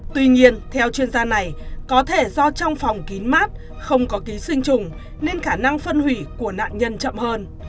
tuy nhiên theo chuyên gia này có thể do trong phòng kín mát không có ký sinh trùng nên khả năng phân hủy của nạn nhân chậm hơn